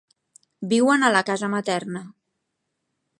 Viuen a la casa materna.